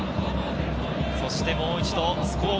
そして、もう一度津工業。